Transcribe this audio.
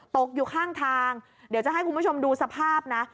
ตกอยู่ข้างทางเดี๋ยวจะให้คุณผู้ชมดูสภาพนะ